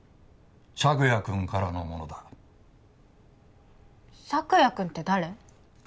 朔也君からのものだサクヤ君って誰？